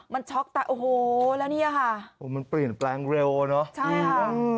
มันช็อกแต่โอ้โหแล้วเนี่ยค่ะโอ้มันเปลี่ยนแปลงเร็วเนอะใช่ค่ะ